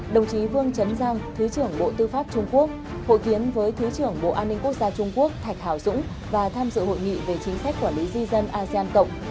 đồng chí vương trấn giang thứ trưởng bộ tư pháp trung quốc hội kiến với thứ trưởng bộ an ninh quốc gia trung quốc thạch hào dũng và tham dự hội nghị về chính sách quản lý di dân asean cộng